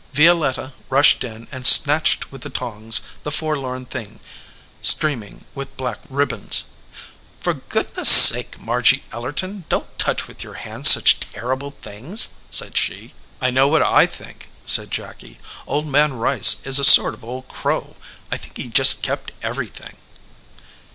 Violetta rushed in and snatched with the tongs the forlorn thing streaming with black ribbons. "For goodness sake, Margy Ellerton, don t touch with your hands such terrible things !" said she. "I know what I think," said Jacky. "Old Man Rice is a sort of old crow. I think he just kept everything."